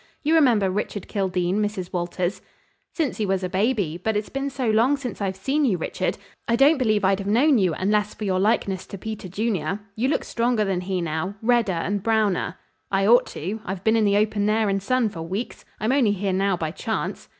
You remember Richard Kildene, Mrs. Walters?" "Since he was a baby, but it's been so long since I've seen you, Richard. I don't believe I'd have known you unless for your likeness to Peter Junior. You look stronger than he now. Redder and browner." "I ought to. I've been in the open air and sun for weeks. I'm only here now by chance."